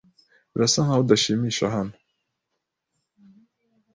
Birasa nkaho udashimisha hano.